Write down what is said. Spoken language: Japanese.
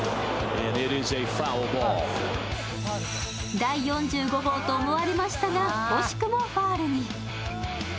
第４５号と思われましたが、惜しくもファウルに。